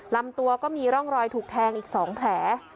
ลำตัวก็มีร่องรอยถูกแทงอีก๒แผล